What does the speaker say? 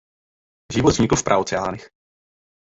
Život vznikl v praoceánech.